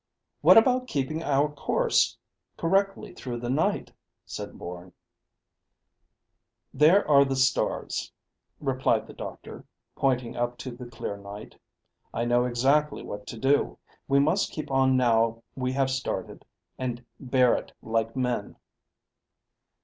"What about keeping our course correctly through the night?" said Bourne. "There are the stars," replied the doctor, pointing up to the clear sky. "I know exactly what to do. We must keep on now we have started, and bear it like men."